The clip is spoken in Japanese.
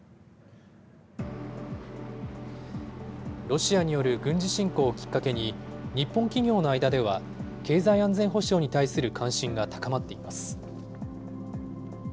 ロシアによる軍事侵攻をきっかけに、日本企業の間では、経済安全保障に対する関心が高まっています。